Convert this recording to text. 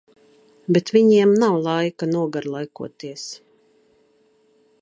Bet viņiem nav laika nogarlaikoties.